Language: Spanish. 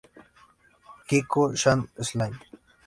Kiko-chan's Smile